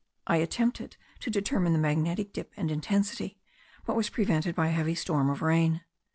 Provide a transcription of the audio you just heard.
I attempted to determine the magnetic dip and intensity, but was prevented by a heavy storm of rain.